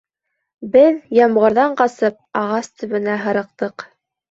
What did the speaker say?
Беҙ, ямғырҙан ҡасып, ағас төбөнә һырыҡтыҡ.